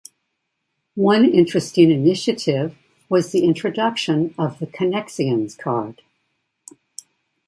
One interesting initiative was the introduction of the Connexions Card.